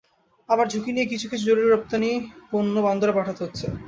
আবার ঝুঁকি নিয়ে কিছু কিছু জরুরি রপ্তানি পণ্য বন্দরে পাঠাতে হচ্ছে।